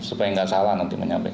supaya nggak salah nanti menyampaikan